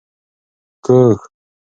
کوږ